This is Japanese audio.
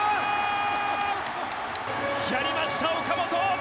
やりました、岡本！